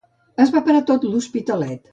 Es va parar tot l'Hospitalet.